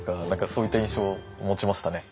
そういった印象を持ちましたね。